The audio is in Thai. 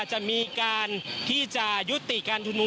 จะมีการที่จะยุติการชุมนุม